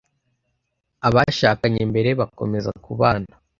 abashakanye mbere bakomeza kubana